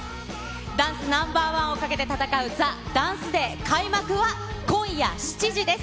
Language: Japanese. ダンスＮｏ．１をかけて闘うＴＨＥＤＡＮＣＥＤＡＹ、開幕は今夜７時です。